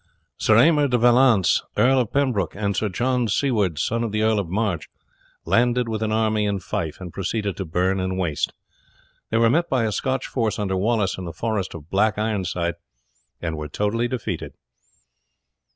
Sir Aymer de Vallance, Earl of Pembroke, and Sir John Sieward, son of the Earl of March, landed with an army in Fife, and proceeded to burn and waste. They were met by a Scotch force under Wallace in the forest of Black Ironside, and were totally defeated.